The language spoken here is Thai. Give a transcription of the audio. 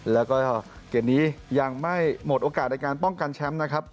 แล้วก็เกมนี้ยังไม่หมดโอกาสในการป้องกันแชมป์นะครับ